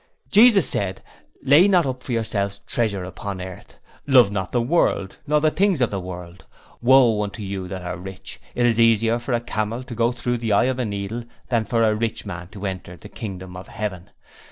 Jesus said: 'Lay not up for yourselves treasure upon earth', 'Love not the world nor the things of the world', 'Woe unto you that are rich it is easier for a camel to go through the eye of a needle than for a rich man to enter the kingdom of heaven.'